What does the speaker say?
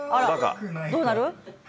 どうなる？